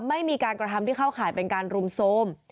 ไม่มีการกระทำที่เข้าข่ายเป็นการรุมโทรม